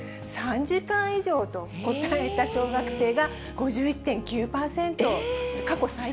３時間以上と答えた小学生が５１．９％、平日で？